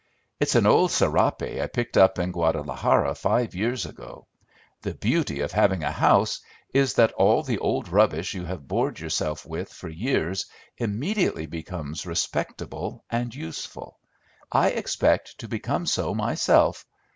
"It's an old serape I picked up at Guadalajara five years ago: the beauty of having a house is that all the old rubbish you have bored yourself with for years immediately becomes respectable and useful. I expect to become so myself.